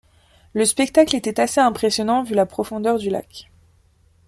Le spectacle était assez impressionnant vu la profondeur du lac.